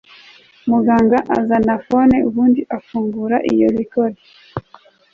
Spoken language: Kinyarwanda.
muganga azana phone ubundi afungura iyo record